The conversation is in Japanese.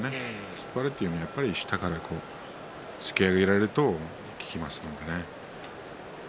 突っ張りはやっぱり下から突き上げられると効きますのでね。